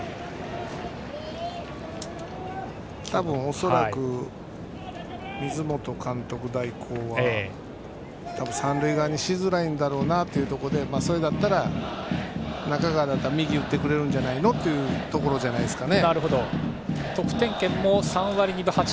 恐らく、水本監督代行は三塁側にしづらいんだろうなというところで、中川だったら右に打ってくれるんじゃないの？というところでしょう。